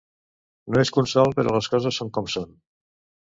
No és consol, però les coses són com són.